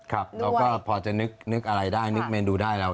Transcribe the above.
ครับเราก็พอจะนึกอะไรได้นึกเมนูได้แล้ว